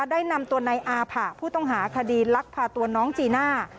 ได้นำตัวนายอาผะผู้ต้องหาคดีลักพาตัวน้องจีน่า